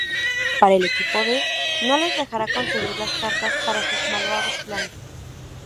Pero el equipo D no les dejara conseguir las cartas para sus malvados planes.